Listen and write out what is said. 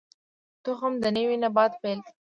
تخم د نوي نبات پیل دی